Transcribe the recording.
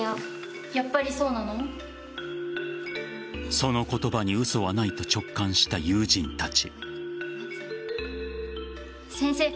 その言葉に嘘はないと直感した友人たち。